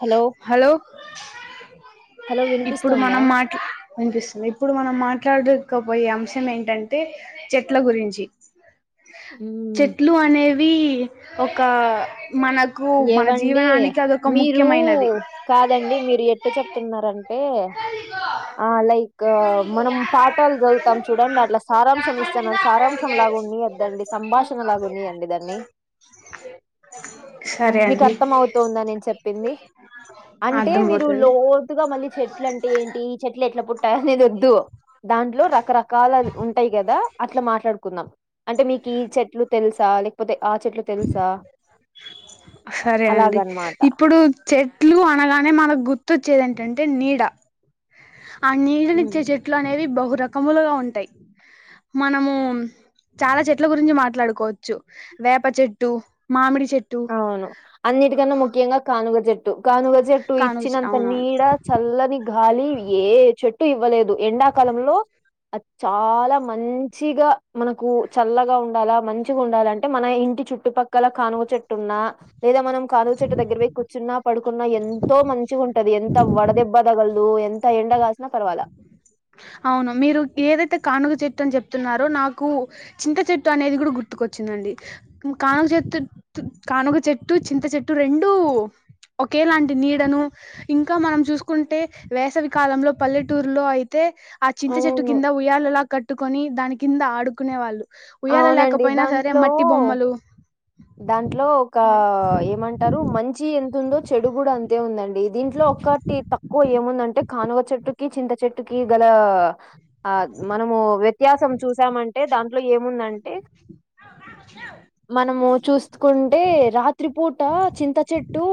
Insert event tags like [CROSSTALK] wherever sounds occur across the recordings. Hello hello hello ఇప్పుడు వినిపిస్తోందా మనం మాట్ల వినిపిస్తుంది ఇప్పుడు మనం మాట్లాడుకపోయే అంశం ఏంటంటే చెట్ల గురించి మ్మ్ చెట్లు అనేవీ ఒక మన కు మన ఏవండి జీవనానికి అది ఒక మీరు ముఖ్యమైనది కాదండి మీరు ఎట్టు చెప్తున్నారంటే ఆ లైక్ గా మనం పాఠాలు చదువుతాం చూడండి అట్ల సారాంశం ఇస్తన్నారు సారాంశం లాగ ఉన్నియద్దండి సంభాషణలాగ ఉండనీయండి దాన్ని [INAUDIBLE] సరే మీకు అండి అర్థం అవుతుందా నేను చెప్పింది అంటే మీరు అర్థమవుతుంది లోతుగా మళ్ళీ చె ట్ల అంటే ఏంటి చెట్లు ఎట్లా పుట్టాయి అనేది వొద్దు దాంట్లో రకరకాల ఉంటాయి కదా అట్లా మాట్లాడుకుందాం అంటే మీకు ఈ చెట్లు తెలుసు సా లేకపోతే ఆ చెట్లు తెలుసా సరే అండి అలాగనమాట ఇప్పుడు చెట్లు అనగానే మనకు గుర్తొచ్చేది ఏంటంటే నీడ ఆ ఉమ్, నీళ్ళనిచ్చే చెట్లు అనేవి బహు రకములుగా ఉంటాయి మనము చాలా చెట్ల గురించి మాట్లాడుకోవచ్చు వేప చెట్టు మామిడి చెట్టు అవును అన్నిటికన్నా ముఖ్యంగా కానుగ చెట్టు కానుగ చెట్టు కానుగ చె ఇచ్చినంత అవునవును నీడ చల్లని గాలి ఏ చెట్టు ఇవ్వలేదు ఎండాకాలంలో చాలా మంచిగా మనకు చల్లగా ఉండాలా మంచిగా ఉండాల అంటే మన ఇంటి చుట్టుపక్కల కానుక చెట్టు ఉన్నా లేదా మనం కానుగు చెట్టు దగ్గర పోయి కూర్చున్నా పడుకున్నా ఎంతో మంచిగా ఉంటది ఎంత వడదెబ్బ తగలదు ఎంత ఎండగాసినా పర్వాలా అవును మీరు ఏదైతే కానుక చెట్టు అని చెప్తున్నారో నాకు చింత చెట్టు అనేది కూడా గుర్తుకొచ్చిందండి కానుక చెట్ కానుక చెట్టు చింత చెట్టు రెండూ ఒకేలాంటి నీడను ఇంకా మనం చూసుకుంటే వేసవికాలంలో పల్లెటూరులో అయి తే ఆ చింత చెట్టు అవును కింద ఉయ్యాలలా కట్టుకొని దాని కింద ఆడుకునే వాళ్ళు ఉయ్యాల అవునండి లేకపోయినా సరే దాంట్లో మట్టి బొమ్మలు [INAUDIBLE] దాంట్లో ఒక ఆ! ఏమంటారు మంచి ఎంతుందో చెడు కూడా అంతే ఉందండి దీంట్లో ఒక్కటి తక్కువ ఏముందంటే కానుక చెట్టుకి చింత చెట్టుకి గల ఆ మనము వ్యత్యాసం చూసామంటే దాంట్లో ఏం ముందంటే మనము చూసుకుంటే రాత్రిపూట చింత చెట్టు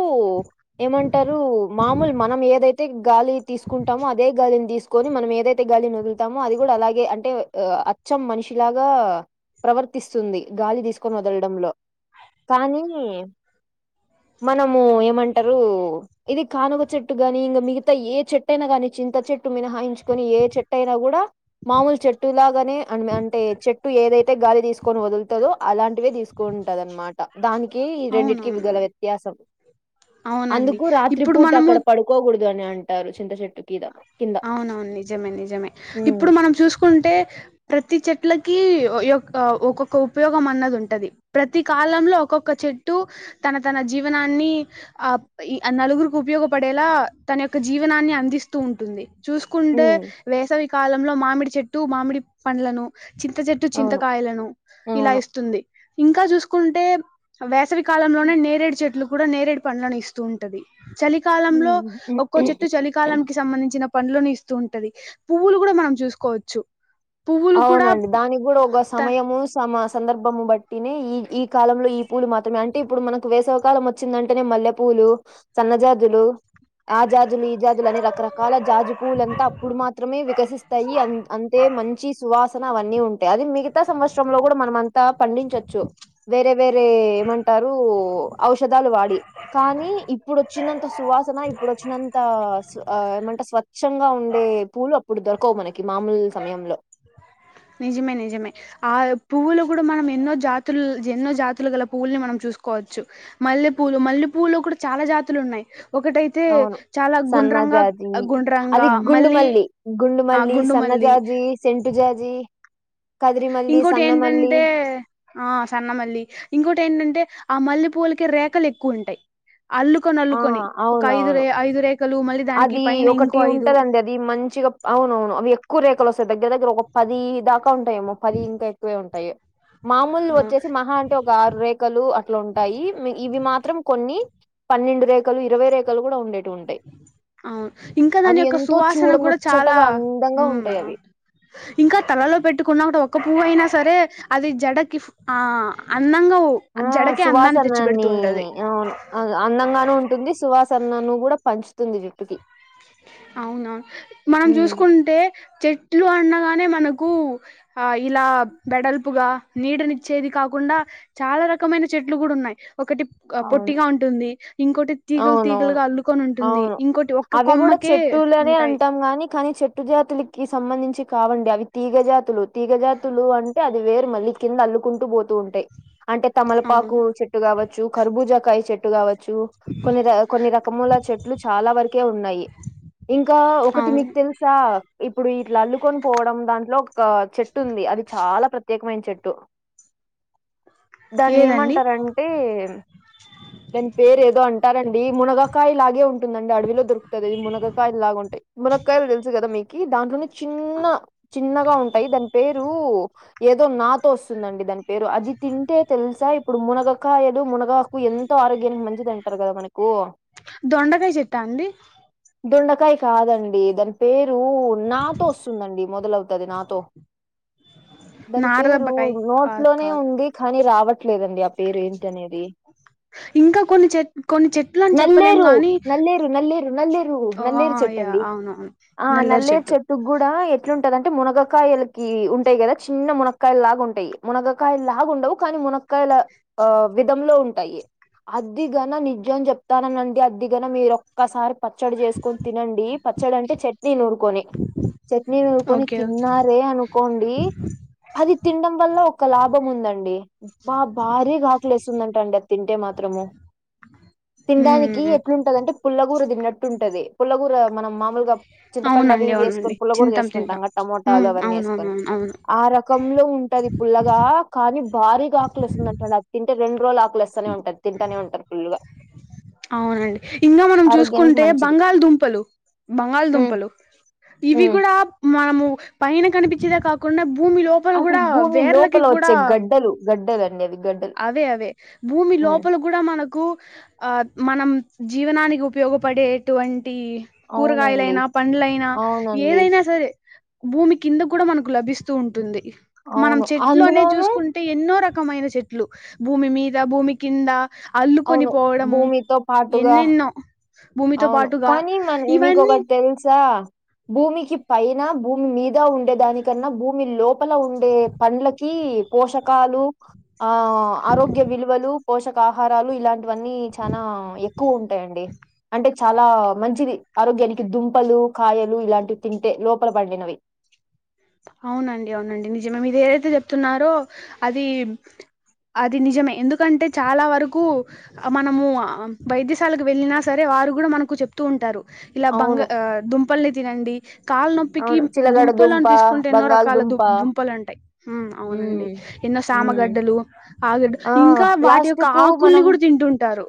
ఏమంటారు మామూలు మనం ఏదైతే గాలి తీసుకుంటామో అదే గాలిని తీసుకు కొని మనం ఏదైతే గాలిని వదులుతామో అది కూడా అలాగే అంటే అచ్చం మనిషిలాగా ప్రవర్తిస్తుంది గాలి తీసుకొని వదలడంలో కానీ మనము ఏమంటరు ఇది కానుగా చెట్టు గాని ఇంక మిగతా ఏ చెట్టైనా కానీ చింత చెట్టు మినహాయించుకొని ఏ చెట్యినా కూడా మామూలు చెట్టులాగానే అన్ అంటే చుట్టు ఏదైతే గాలి తీసుకొని వదులుతదో అలాంటివే తీసుకుంటది అనమాట దానికి రెండి అవునవును గల వ్యత్యాసం అవునండి అందుకు రాత్రి ఇప్పుడు పూట మనము అక్కడ పడుకోకూడదు అని అంటారు చింత చెెట్టు కీంద అవునవును నిజమే నిజమే ఉమ్ ఇప్పుడు మనం చూసుకుంటే ప్రతి చెట్లకి యొక్క ఒక్కొక్క ఉపయోగం అన్నది ఉంటది ప్రతి కాలంలో ఒక్కొక్క చెట్టు తన తన జీవనాన్ని ఆ ఈ నలుగురికి ఉపయోగపడేలా తన యొక్క జీవనాన్ని అందిస్తూ ఉంటుంది చూసుకుంటే ఉమ్ వేసవి కాలంలో మామిడి చెట్టు మామిడి పండ్లను చింత చెట్టు అవును చింతకాయలను ఇలా అవును ఇస్తుంది ఇంకా చూసుకుంటే వేసవి కాలంలోనే నేరేడు చెట్లు కూడా నేరేడు పండ్లను ఇస్ ఉంటది చలికాలంలో ఒక్కో చెట్టు ఉమ్ చలికాలం కి సంబంధించిన పంలోనే ఇస్తూ ఉంటది పువ్వులు కూడా మనం చూసుకోవచ్చు పువ్వులు కూడా అవునండి దానికి కూడా ఒక సమయము సమ సందర్భము బట్టినే ఈ ఈ కాలంలో ఈ పూలు మాత్రమే అంటే ఇప్పుడు మనకు వేసవి కాలం వచ్చిందంటేనే మల్లె పూలు సన్నజాజులు ఆ జాజులు ఈ జాజులు అని రకరకాల జాజు పూవ్లంతా అప్పుడు మాత్రమే వికసిస్తాయి అ అంతే మంచి సువాసన అవన్నీ ఉంటాయి అది మిగతా సంవత్సరం లో కూడా మనం అంతా పండించొచ్చు వేర వేరే వేరే ఏమంటారు ఔషధాలు వాడి కానీ ఇప్పుడొచ్చినంత సువాసన ఇప్పుడొచ్చినంత ఆ ఏమంటే స్వ స్వచ్చంగా ఉండే పూలు అప్పుడు దొరకవు మనకి మామూలు సమయంలో నిజిమే నిజిమే ఆ పువ్వులు కూడా మనం ఎన్నో జాతులు ఎన్నో జాతులు గల పువ్వుల్ని మనం చూసుకోవచ్చు మల్లె పూలు మల్లె పూలు లో కూడా చాలా జాతులు ఉన్నాయి ఒకటై అవును సన్నజాజి గుండ్రంగా అది గుండు మళ్ళీ మల్లి గుండు ఆ మల్లి గుండు మల్లి సన్నజాజి సెంటూజాజీ ఇంకోటి ఏంటంటే ఆ సన్న మల్లి ఇంకోటి ఏంటంటే ఆ మల్లె పూలకి రేఖలు ఎక్కువ ఉంటాయి అల్లు ఆ అల్లుకొని ఒక ఐదు అవునవును ఐదు రేఖలు మళ్ళీ దానికి అది పైన ఒకటి ఇంకో ఐదు ఉంటదండి అది అది మంచిగా అవునవును అవి ఎక్కువ రేఖలు వస్తాయి దగ్గర దగ్గర ఒక పది దాకా ఉంటాయేమో పది ఇంకా ఎక్కువే ఉంటాయి మామూలు ఆ వచ్చేసి మహా అంటే ఒక ఆరు రే ఖలు అట్లా ఉంటాయి ఇవి మాత్రం కొన్ని పన్నెండు రేఖలు ఇరవై రేఖలు కూడా ఉండేటివి ఉంటాయి ఇంకా అవి దాని యొక్క ఎంతో సువాసన కూడా చాలా చూడముచ్చటగా అందంగా ఉంటాయి అవి ఇంకా తలలో పెట్టుకున్న ఒకటి ఒక పువ్వు అయినా సరే అది జడకి ఆ అందంగా ఆ జడకే అందాన్ని తెచ్చి పెడుతూ ఉంటది అందంగానూ ఉంటుంది సువాసనను కూడా పంచుతుంది జుట్టుకి అవునా మనం హ్మ్ చూసుకుంటే చెట్లు అండగానే మనకు ఆ ఇలా వెడల్పుగా నీడనిచ్చేది కాకుండా చాలా రకమైన చెట్లు కూడా ఉన్నాయి ఒకటి అవును పొట్టిగా ఉంటుంది ఇంకోటి తీగలు అవునవును తీగలుగా అల్లుకొని ఉంటుంది అవును ఇంకోటి ఒక్క అవి కూడా కొమ్మకే చెట్టులనే ఉంటాయి అంటాం గానీ కానీ చెట్టు చెట్టు జాతులకి సంబంధించి కావండి అవి తీగజాతులు తీగజాతులు అంటే అది వేరు మళ్ళీ కింద అల్లుకుంటూ పోతూ ఉంటాయి అంటే తమలపాకు అవును చెట్టు కావచ్చు కర్బుజాకాయ చెట్టు కావచ్చు కొన్ని ర కొన్ని రకముల చెట్లు చాలా వరకే ఉన్నాయి ఇంకా ఒకటి మీకు అవును తెలుసు ఇట్లా ఇప్పుడు ఇట్లా అల్లుకొని పోవడం దాంట్లో ఒక చె చెట్టు ఉంది అది చాలా ప్రత్యేకమైన చెట్టు దాన్ని ఏదండి ఏమంటారంటే దాని పేరు ఏదో అన్ ఉంటారండి మునగాకాయ ఇలాగే ఉంటుందండి అడవిలో దొరుకుతుంది ఇది మునగకాయలగా ఉంటాయి మునగకాయలు తెలుసు కదా మీకి దాంట్లోనే చిన్న చిన్నగా ఉంటాయి దాని పేరు ఏదో నాతో వస్తుందండి దాని పేరు అది తింటే తెలుసా ఇప్పుడు మునగకాయలు మునగ ఆకు ఎంతో ఆరోగ్యానికి మంచిద కదా మనకు దొండకాయ చెట్టా అండి దొండకాయ కాదండి దాని పేరు నాతో వస్తుందండి మొదలవుతది నాతో దాని పేరు నారదబ్బకాయ కాదు నోట్లోనే కాదు ఉంది కానీ రావట్లేదండి ఆ పేరు ఏంటనేది ఇంకా కొన్ని చెట్ కొన్ని చెట్ నల్లేరు నల్లేరు నల్లేరు నల్లేరు ఆ నల్లేరు యా చెట్టండి అవునవును ఆ నల్లేరు చెట్టు చెట్ టు కూడా ఎట్లుంటదంటే అంటే మునగకాయలకి ఉంటాయి కదా చిన్న మునగక్కాయలు లాగా ఉంటాయి. మునగకాయ లాగాండవు కానీ మునక్కయల ఆ విధంలో ఉంటాయి అదిగాన నిజం చెప్తాననండి అద్దిగాన మీరు ఒక్కసారి పచ్చడి చేసుకో తినండి పచ్చడి అంటే చట్నీ నూరు కోని చట్నీ నూరుకొని ఓకే ఓకే తిన్నారే అనుకోండి అది తినడం వల్ల ఒక లాభం ఉందండి బా భారీగా ఆకులే వేసిందట అండి అది తింటే మాత్రము తినడానికి ఉమ్ ఎట్లుంటద అంటే పుల్లగూర తిన్నట్టు ఉంటది పుల్లగూర మనం మామూలుగా చింతపండువి అవునండి ఇవి వేసుకొని అవునండి పుల్లకూర చింతాం చింతాం చేసుకుంటాం టమోటాలు ఉమ్ అవన్నీ వేసుకొని అవునవునవును అవును ఆ రకంలో ఉ ఉంటది పుల్లగా కానీ భారీగా ఆకులేస్తుంది అంటడు అది తింటే రెండు రోజులు ఆకులిస్తనే ఉంటుంది తింటూనే ఉంటారు. ఫుల్లుగా అవునండి ఇంకా మనం ఆరోగ్యానికి చూసుకుంటే బంగా మంచిది బంగాళాదుంపలు హ్మ్ బంగాలదుంపలు ఇవి హ్మ్ కూడా మనము పైన కనిపించేదే కాకుండా భూమిలో అది భూమి లోపల వచ్చే గడ్డలు గడ్డలు అనేవి గడ్డ అవే అవే భూమి లోపల కూడా మనకు ఆ మనం జీవనానికి ఉపయోగపడేటువంటి అవునండి కూరగాయలైనా, పండ్లైనా అవునండి ఏదైనా సరే భూమి కింద కూడా మనకు లభిస్తూ ఉంటుంది. మనం అవును చెట్లోనే అందులోనూ చూసుకున్ అంటే ఎన్నో రకమైన చెట్లు భూమి మీద భూమి కింద అల్లుకొని అవును పోవడము భూమితో పాటుగా ఎన్నెన్నో భూమితో అవును పాటుగా కానీ మన ఇవన్నీ నీకొకటి తెలుసా భూమికి పైన భూమి మీద ఉండేదానికన్నా భూమి లోప లోప్పల ఉండే పండ్లకి పోషకాలు ఆ ఆరోగ్య విలువలు పోషకా ఆహారాలు ఇలాంటివన్నీ చనా ఎక్కువ ఉంటాయండి అంటే చాలా మంచిది ఆరోగ్యానికి దుంపలు కాయలు ఇలాంటివి తింటే లోపల పండినవి. అవునండి అవునండి నిజమే మీది ఏదైతే చెప్తున్నారో అది అది నిజమే ఎందుకంటే చాలా వరకు ఆ మనము వైద్యశాలకు వెళ్ళిన సరే వారు కూడా మనకు చెప్ తు ఉంటారు ఇలా బంగ అవును దుంపల్ని తినండి కాలు నొప్పికి అవును చిలగడ దుంప దుంపలనీ తీసు ఎన్నో రకాల దు బంగాళదుంప దుంపలు ఉంటాయి అవునండి ఉమ్ ఎన్నో ఉమ్ సామగడ్డలు ఆగడు ఆ ఇంకా వాటి లాస్ట్ యొక్క కు ఆకుల్ని మనం కూడా తింటుంటారు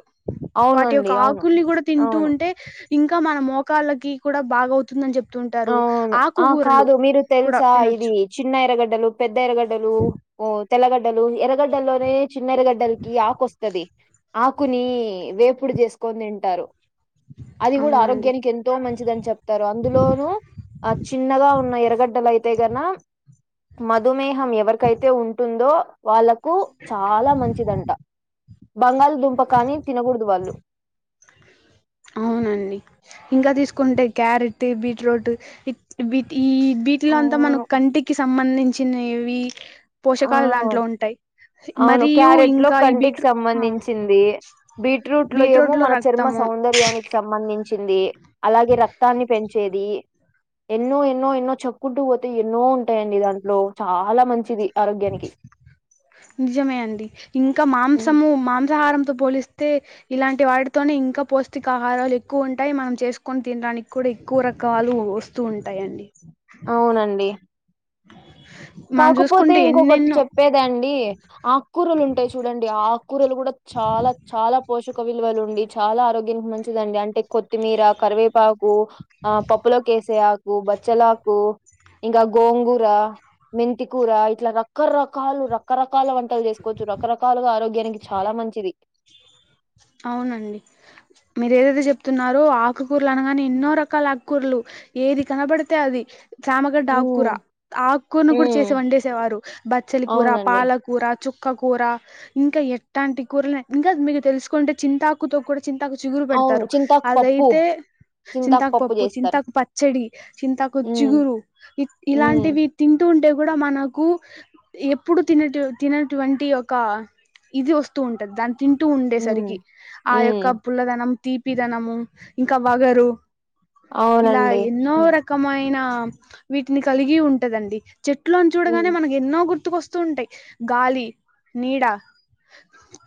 వాటి అవునండి యొక్క అవును ఆకుల్ని కూడా తింటూ అవును ఉంటా ఏ ఇంకా మన మోకాళ్ళకి కూడా బాగవుతుందని చెప్తుంటారు ఆకుకూరలు కూడా తెల్సా తినొచ్చు ఇది చిన్న ఎరగడ్డలు, పెద్ద ఎరగడ్డలు ఓ తెల్లగడ్డలు ఎరగడ్డల్లోనే చిన్న ఎరగడ్డలకి ఆకు వస్తది ఆకుని వేపుడు చేసుకొని తింటారు అది కూడా అవునండి ఆరోగ్యానికి ఎం తో మంచిదని చెప్తారు అందులో ఆ చిన్నగా ఉన్న ఎరగడ్డలయితే గ అన్న మధుమేహ హం ఎవరికైతే ఉంటుందో వాళ్ళలకు చాలా మంచిదంట బంగాళ దుంప కానీ తినకూడదు వాళ్ళు అవునండి ఇంకా తీసుకుంటే క్యారెట్ బీట్రోట్ ఇ వీటి ఈ వీటిలో అంతా మనం అవును కంటికి సంబంధించినవి పోషకాలు ఆ దాంట్లో ఉంటాయి అవును మరియు క్యారెట్ లో ఇంకా ఈ కంటికి బీట్రూ సంబంధించింది బీట్రూట్ లో ఏమో మన చర్మ సౌ సౌందర్యానికి సంబంధించింది అలాగే రక్తాన్ని పెంచేది ఎన్నో ఎన్నో ఎన్నో చెప్పుకుంటూ పోతే ఎన్నో ఉంటాయండి దాంట్లో చాలా మంచిది ఆరోగ్యానికి. నిజమే అండి ఇంకా హ్మ్. మాంసము మాంసాహారంతో పోలిస్త తె ఇలాంటి వాటితోనే ఇంకా పౌష్టికా ఆహారాలు ఎక్కువ ఉంటాయి మనం చేసుకొని తినడానికి కూడా ఎక్కువ రకాలు వస్ తు ఉంటాయండి అవునండి మనం కాకపోతే చూసుకుంటే ఇంకొకటి ఎన్నెన్నో చెప్పేదాండి ఆకూరలు ఉంటాయి చూడండి ఆక్ కూరలు కూడా చాలా చాలా పోషక్ క విలువలు ఉండి చాలా ఆరోగ్యానికి మంచిదండి అంటే కొత్తిమీర కరివేపాకు ఆ పప్పులకేేసయకు బచ్చల హాకు ఇంకా గోంగూర మెంతికూర ఇట్లా రకరకాలు రకరకాల వంటలు చేసుకోవచ్చు రకరకాలుగా ఆరోగ్యానికి చాలా మంచిది అవునండి మీరు ఏదైతే చెప్తున్నారో ఆకుకూరలు అనగాని ఎన్నో రకాల ఆకుకూరలు ఏది కనపడితే అది చామగడ్డ ఆకుకూర ఉమ్ ఆకుకూరను కూడా ఉమ్ చేసి వండేసేవారు బచ్చలి కూర అవునండి పాలకూర కూర చుక్క కూర ఇంకా ఏటంటి కూరలు ఇంకా మీకు తెలుసుకుంటే చింతాకుతో కూడా చింతాకు చిగురు అవును పెడతారు చింతాకు పప్పు అదైతే చింతాకు పప్పు చింతకు పచ్చడి చింతకు ఉమ్ చిగురు ఇ ఉమ్ ఇలాంటివి తింటూ ఉంటే కూడా మనకు ఎప్పుడు తినటి తినటువంటి ఒక ఇది వస్తూ ఉంటది దాని తింటూ ఉమ్ ఉండేసరికి ఆ ఉమ్ యొక్క పుల్లదనం తీపిదనము ఇంకా వగరు ఇలా అవునండి ఎన్నో ర కమైన వీటిని కలిగి ఉంటదండి చెట్లుని చూడగానే హ్మ్. మనకి ఎన్నో గుర్తుకొస్తు తుంటాయి గాలి నీడ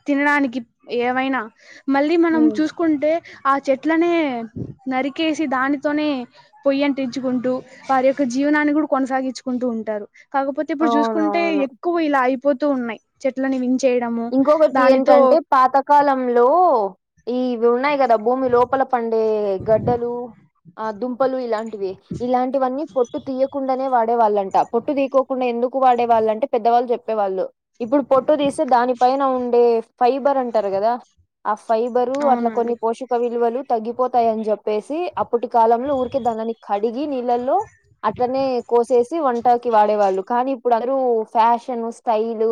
తినడానికి ఎ వైనా మళ్ళీ మనం హ్మ్. చూసుకుంటే ఆ చెట్లనే నరికేసి దానితోనే పొయ్యి అంటించుకుంటూ వారి యొక్క జీవనాన్ని కూడా కొనసాగించుకుంటూ ఉంటారు కాకపోతే ఇప్పుడు చూసుకుంటే అవునవును. ఎక్కువ ఇలా అయిపోతూ ఉన్నాయి చెట్లలను విన్ చేయడము ఇంకొకటి దానితో ఏంటంటే పాతకాలంలో ఇవి ఉన్నాయి కదా భూమి లోపల పండే ఏ గడ్డలు ఆ దుంపలు ఇలాంటి ఇలాంటివన్నీ పొట్టు తీయకుండానే వాడేవాళ్ళంట పొట్టు తీకోకుండా ఎందుకు వాడేవాళ్ళు అంటే పెద్దవాళ్ళు చెప్పేవాళ్ళు ఇప్పుడు పొట్టు తీస్తే దాని పైన ఉండే ఫైబర్ అంటరు కదా ఆ ఫైబరు అట్లా అవునండి కొన్ని పోష పక్క విలువలు తగ్గిపోతయని చెప్పేసి అప్పటి కాలంలో ఊరికే దానిని కడిగి నీళ్ళల్లో అట్లనే కోసేసి వంటకి వాడేవాళ్ళు కానీ ఇప్పుడు అందరు ఫ్యాషన్ స్టైల్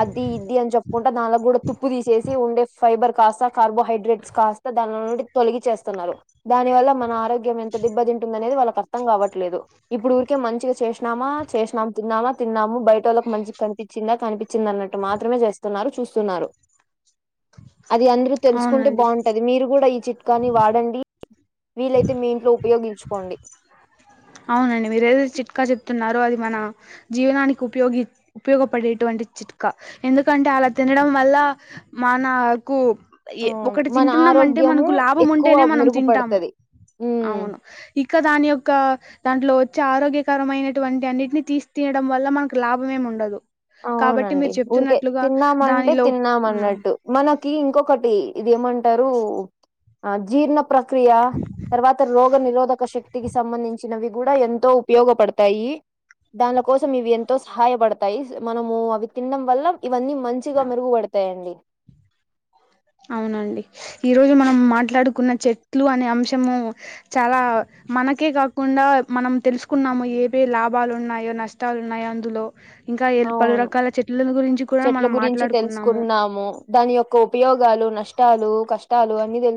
అది ఇది అని చెప్పుకుంటే దాని కూడా తుప్పు తీసి ఉండే ఫైబర్ కాస్తా కార్బోహైడ్రేట్స్ కాస్తా దాని నుండి తొలగి చేస్తున్నరు దాని వల్ల మన ఆరోగ్యం ఎంత దెబ్బతింటుంద అనేది వాళ్ళకి అర్థం కావట్లేదు ఇప్పుడు ఊరికే మంచిగా చేసినామా చేసినాము తిన్నామా తిన్నాము బయట వాళ్ళకి మంచిగా కనిపి చిందా కనిపించింది అన్నట్మాత్రమే చేస్తాంది చూస్తున్నారు అది అందరూ తెలుసుకుంటే అవునండి బాగుంటది మీరు కూడ్ ఈ చిట్కాని వాడండి వీలైతే మీ ఇంట్లో ఉపయోగించుకోండి అవునండి మీరేదైతే చిట్కా చెప్తున్నారో అది మన జీవనానికి ఉపయోగి ఉపయోగపడేటువంటి చిట్కా ఎందుకంటే అలా తినడం వల్ల మనకు ఏ అవును, ఒకటి మన తింటున్నామంటే ఆరోగ్యము మనకు లాభం ఎక్కువ ఉంటేనే మనం తింటము మెరుగుపడుతది ఉమ్ అవును ఇక దాని యొక్క దాంట్లో వచ్చే ఆరోగ్యకరమైనటువంటి అన్నిటిని తీసి తినడం వల్ల మనకు లాభంమేమి ఉండదు కాబట్టి అవునండి మీరు ఊరికే చెప్తున్నట్లుగా తిన్నామంటే దానిలో తిన్నాం ఉమ్ అన్నట్టు మనకి ఇంకొకటి ఇది ఏమంటరు ఆ జీర్ణ ప్రక్రియ తర్వాత రోగ నిరోధక శక్తి వ్యతికి సంబంధించినవి కూడ ఎంతో ఉపయోగపడతయి దానిల కోసం ఇవి ఎంతో సహాయపడతయి మనము అవి తినడం వల్ల ఇవన్నీ మంచిగా మెరుగుపడతయండి అవునండి ఈరోజు మనం మాట్డుడుకున్న చెట్లు అనే అంశము చాలా మనకే కాకుండా మనం తెలుసుకున్నాము ఏవే లాభాలు ఉన్నాయో నష్టాలు ఉన్నాయో అందులో ఇంకా ఎల్ పలు అవును రకాల చెట్లను గురించి కూడా చెట్ల మనం గురించి మాట్లాడుకున్నాము తెలుసుకున్నాము దాని యొక్క ఉపయోగాలు నష్టాలు కష్టాలు అన్ని తెలుసు